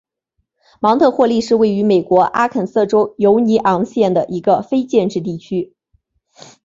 芒特霍利是位于美国阿肯色州犹尼昂县的一个非建制地区。